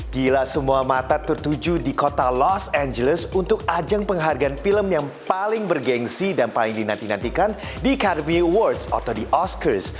gila semua mata tertuju di kota los angeles untuk ajang penghargaan film yang paling bergensi dan paling dinantikan di carbie awards atau di oscurs